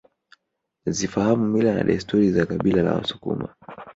Zifahamu mila na desturi za kabila la wasukuma